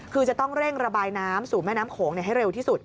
คือจะต้องเร่งระบายน้ำสู่แม่น้ำโขงให้เร็วที่สุด